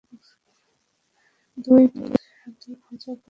দুই, সাধু খোঁজা উপলক্ষে গ্রামের দিকে খানিকটা হলেও ঘোরা হবে।